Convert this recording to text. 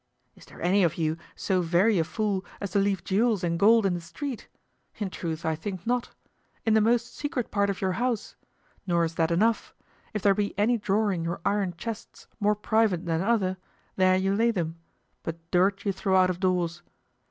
Is there any of you so very a fool as to leave jewels and gold in the street? In truth, I think not; in the most secret part of your house; nor is that enough; if there be any drawer in your iron chests more private than other, there you lay them; but dirt you throw out of doors.